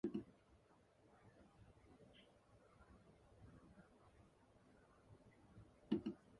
最早一分も猶予が出来ぬ仕儀となったから、やむをえず失敬して両足を前へ存分のして、首を低く押し出してあーあと大なる欠伸をした